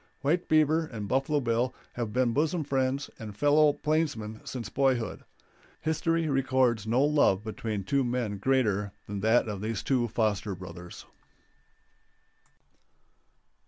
White Beaver and Buffalo Bill have been bosom friends and fellow plainsmen since boyhood. History records no love between two men greater than that of these two foster brothers.